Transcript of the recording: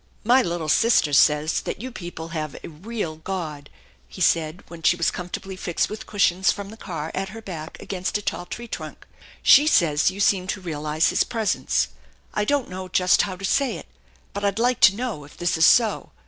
" My little sister says that you people have a ' real ' God," he said, when sne was comfortably fixed with cushions from the car at her back against a tall tree trunk. " She says you seem to realize His presence I don't know just how to say it, but I'd like to know if this is so.